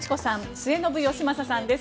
末延吉正さんです